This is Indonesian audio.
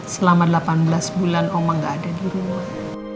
selama delapan belas bulan omang gak ada di rumah